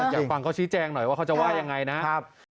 อยากฟังเขาชี้แจงหน่อยว่าเขาจะว่ายังไงนะ